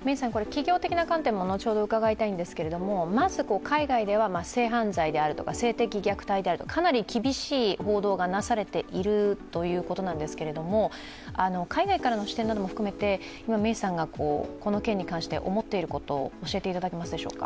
企業的な観点も後ほど伺いたいんですけどもまず海外では性犯罪であるとか性的虐待であるとかかなり厳しい報道がなされているということなんですけれども海外からの支店なども含めて、今、メイさんがこの件に関して思っていることを教えていただけますでしょうか。